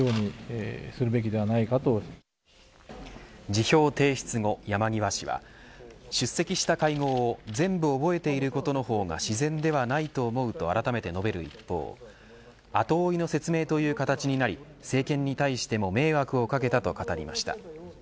辞表を提出後、山際氏は出席した会合を全部覚えていることのほうが自然ではないと思うとあらためて述べる一方後追いの説明という形になり政権に対しても迷惑をかけたと語りました。